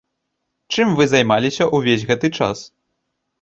Чым вы займаліся ўвесь гэты час?